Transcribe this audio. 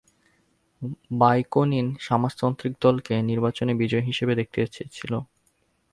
বাকৌনিন সমাজতান্ত্রিক দলকে নির্বাচনে বিজয়ী হিসেবে দেখতে চেয়েছিল।